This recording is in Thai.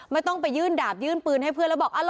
ไม่ต้องไปยื่นดาบยื่นปืนให้เพื่อนแล้วบอก